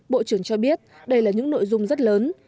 bộ trưởng cho biết đây là những nội dung rất lớn